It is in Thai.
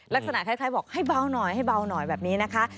ลักษณะคล้ายบอกให้เบาหน่อยแบบนี้นะคะ